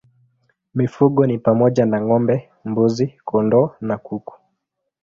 Mifugo ni pamoja na ng'ombe, mbuzi, kondoo na kuku.